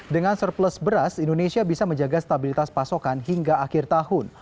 dengan surplus beras indonesia bisa menjaga stabilitas pasokan hingga akhir tahun